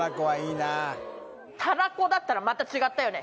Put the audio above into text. たらこだったらまた違ったよね